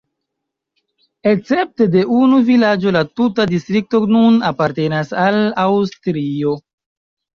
Escepte de unu vilaĝo la tuta distrikto nun apartenas al Aŭstrio.